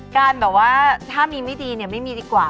การแบบว่าถ้ามีไม่ดีเนี่ยไม่มีดีกว่า